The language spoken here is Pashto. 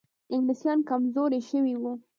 انګلیسان کمزوري شوي وو.